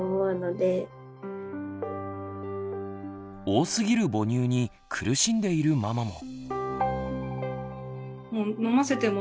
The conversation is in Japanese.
多すぎる母乳に苦しんでいるママも。